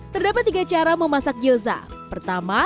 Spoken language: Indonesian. terdapat tiga cara memasak gyoza pertama